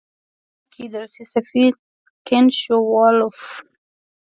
په برټانیه کې د روسیې سفیر کنټ شووالوف.